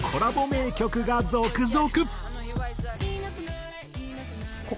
名曲が続々！